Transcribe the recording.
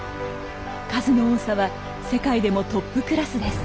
数の多さは世界でもトップクラスです。